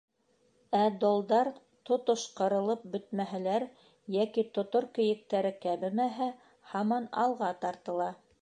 Ә долдар, тотош ҡырылып бөтмәһәләр йәки тотор кейектәре кәмемәһә, һаман алға тартыла.